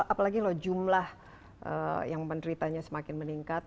apalagi loh jumlah yang menderitanya semakin meningkat